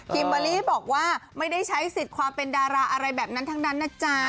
เบอร์รี่บอกว่าไม่ได้ใช้สิทธิ์ความเป็นดาราอะไรแบบนั้นทั้งนั้นนะจ๊ะ